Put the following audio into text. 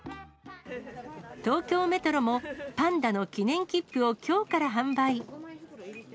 東京メトロも、パンダの記念切符をきょうから販売。